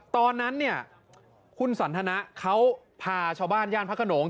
ตอนนั้นเนี่ยคุณสันทนะเขาพาชาวบ้านย่านพระขนง